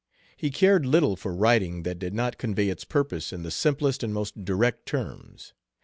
He cared little for writing that did not convey its purpose in the simplest and most direct terms.